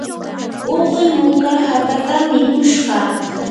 uqi muka hakatam mikushqa.